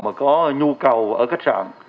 mà có nhu cầu ở khách sạn